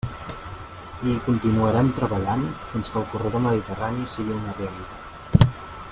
I hi continuarem treballant fins que el corredor mediterrani sigui una realitat.